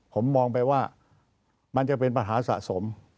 ผมมองไปว่ามันจะเป็นปัญหาสะสม